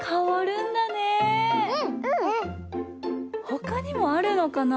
ほかにもあるのかな？